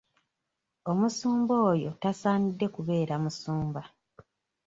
Omusumba oyo tasaanidde kubeera musumba.